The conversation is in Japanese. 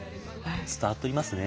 伝わっておりますね。